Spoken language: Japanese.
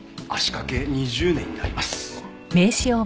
足掛け２０年になります。